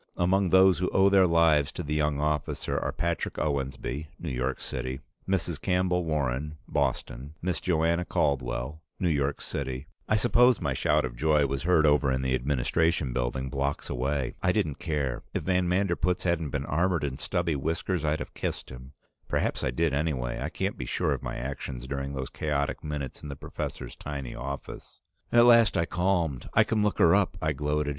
Among those who owe their lives to the young officer are: Patrick Owensby, New York City; Mrs. Campbell Warren, Boston; Miss Joanna Caldwell, New York City " I suppose my shout of joy was heard over in the Administration Building, blocks away. I didn't care; if van Manderpootz hadn't been armored in stubby whiskers, I'd have kissed him. Perhaps I did anyway; I can't be sure of my actions during those chaotic minutes in the professor's tiny office. At last I calmed. "I can look her up!" I gloated.